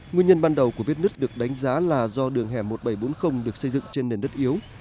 nguyên nhân ban đầu của vết nứt được đánh giá là do đường hẻ một nghìn bảy trăm bốn mươi được xây dựng trên nền đất yếu